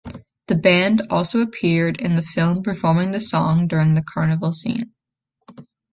The band also appeared in the film performing the song during the carnival scene.